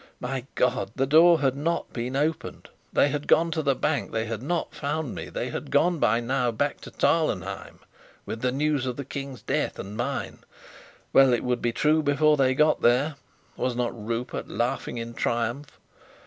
My God! The door had not been opened! They had gone to the bank! They had not found me! They had gone by now back to Tarlenheim, with the news of the King's death and mine. Well, it would be true before they got there. Was not Rupert laughing in triumph?